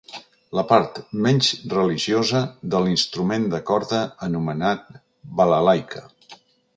La part menys religiosa de l'instrument de corda anomenat balalaika.